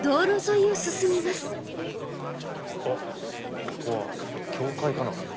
おっここは教会かな。